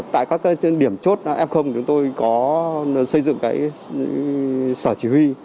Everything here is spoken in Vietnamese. tại các điểm chốt f chúng tôi có xây dựng sở chỉ huy